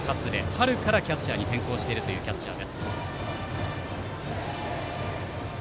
春からキャッチャーに転向しているというキャッチャー。